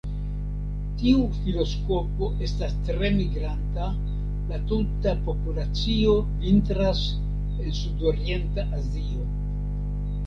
Tiu filoskopo estas tre migranta; la tuta populacio vintras en sudorienta Azio.